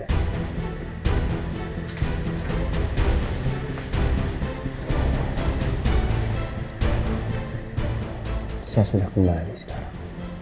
saya sudah kembali sekarang